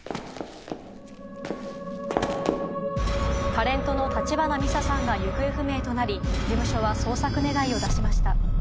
タレントの橘美沙さんが行方不明となり事務所は捜索願を出しました。